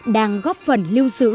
đang góp phần lưu giữ